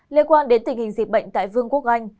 liên quan đến tình hình dịch bệnh tại vương quốc anh